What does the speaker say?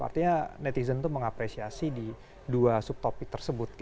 artinya netizen itu mengapresiasi di dua subtopik tersebut